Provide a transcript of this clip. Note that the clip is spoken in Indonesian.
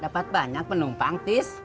dapat banyak penumpang tis